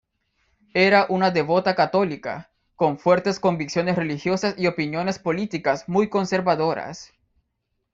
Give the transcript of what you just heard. Era una devota católica, con fuertes convicciones religiosas y opiniones políticas muy conservadoras.